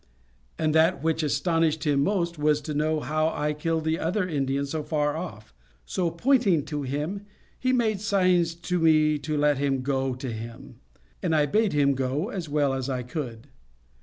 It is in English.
But that which astonished him most was to know how I killed the other Indian so far off; so, pointing to him, he made signs to me to let him go to him; and I bade him go, as well as I could.